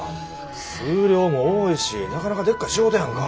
数量も多いしなかなかでっかい仕事やんか。